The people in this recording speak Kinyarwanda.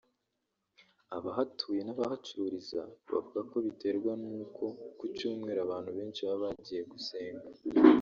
Abahatuye n’abahacururiza bavuga ko biterwa n’uko ku cyumweru abantu benshi baba bagiye gusenga